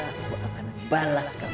aku akan balas kamu